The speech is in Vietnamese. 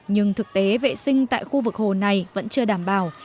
nhưng thực tế vệ sinh tại khu vực hồ này vẫn chưa đảm bảo